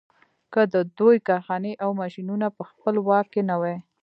که د دوی کارخانې او ماشینونه په خپل واک کې نه دي.